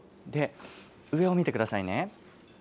上を見てください。